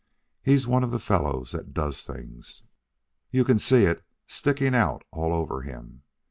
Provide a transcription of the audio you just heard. He's one of the fellows that does things. You can see it sticking out all over him.